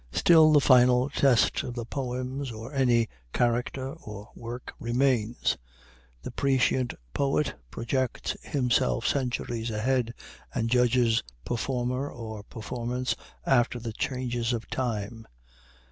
Still the final test of poems, or any character or work, remains. The prescient poet projects himself centuries ahead, and judges performer or performance after the changes of time.